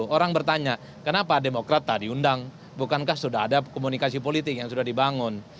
orang bertanya kenapa demokrat tak diundang bukankah sudah ada komunikasi politik yang sudah dibangun